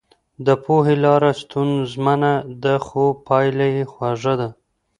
د پوهي لاره ستونزمنه ده خو پايله يې خوږه ده.